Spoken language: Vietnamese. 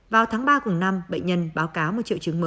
vào tháng ba cùng năm bệnh nhân báo cáo một triệu chứng mới